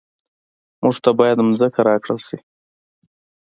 موږ ته باید ځمکه راکړل شي